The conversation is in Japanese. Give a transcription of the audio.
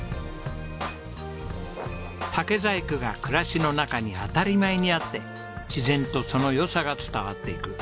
「竹細工が暮らしの中に当たり前にあって自然とその良さが伝わっていく」